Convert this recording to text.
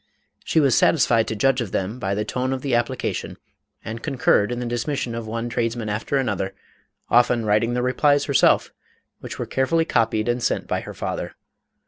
She was satisfied to judge of them by the tone of the application, and concurred in the dismission of one tradesman after another, often writing the replies herself, which were carefully copied and sent by her father.